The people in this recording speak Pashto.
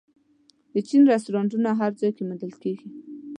د چین رستورانتونه هر ځای کې موندل کېږي.